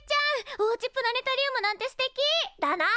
おうちプラネタリウムなんてすてき！だな！